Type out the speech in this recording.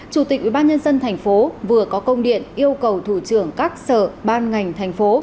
chủ tịch ubnd tp vừa có công điện yêu cầu thủ trưởng các sở ban ngành tp